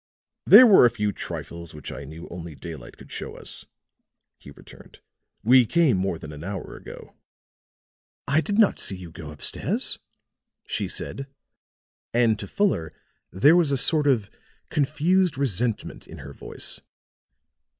"There were a few trifles which I knew only daylight would show us," he returned. "We came more than an hour ago." "I did not see you go up stairs," she said; and to Fuller there was a sort of confused resentment in her voice.